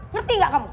ngerti gak kamu